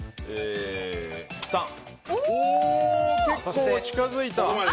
結構近づいた。